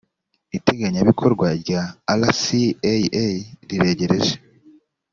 iteganyabikorwa rya rcaa riregereje